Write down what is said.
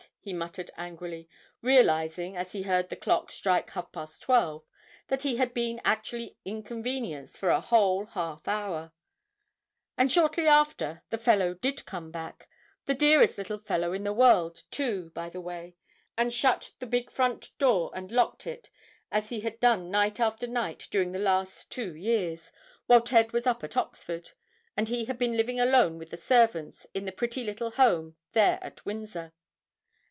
he muttered angrily, realizing, as he heard the clock strike half past twelve, that he had been actually inconvenienced for a whole half hour; and shortly after "the fellow did come back," the dearest little fellow in the world too, by the way, and shut to the big front door and locked it as he had done night after night during the last two years, while Ted was up at Oxford, and he had been living alone with the servants in the pretty little home there at Windsor.